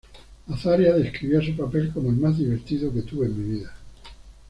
Azaria describió a su papel como "el más divertido que tuve en mi vida".